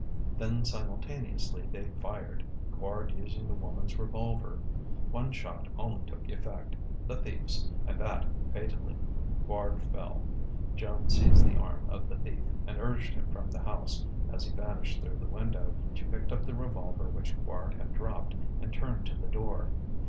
Then simultaneously they fired Quard using the woman's revolver. One shot only took effect the Thief's and that fatally. Quard fell. Joan seized the arm of the Thief and urged him from the house; as he vanished through the window, she picked up the revolver which Quard had dropped, and turned to the door.